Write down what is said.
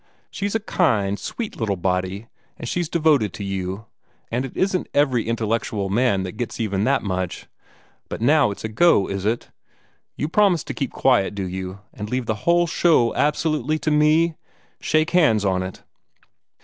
She's a kind sweet little body, and she's devoted to you, and it isn't every intellectual man that gets even that much. But now it's a go, is it? You promise to keep quiet, do you, and leave the whole show absolutely to me? Shake hands on it."